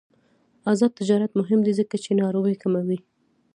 آزاد تجارت مهم دی ځکه چې ناروغۍ کموي.